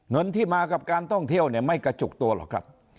เงินที่มากับการท่องเที่ยวเนี่ยไม่กระจุกตัวหรอกครับ